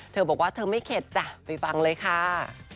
เธอบอกว่าเธอไม่เข็ดจ้ะไปฟังเลยค่ะ